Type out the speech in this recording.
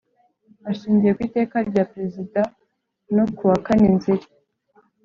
Ashingiye ku iteka ry Perezida no ryo kuwakane nzeri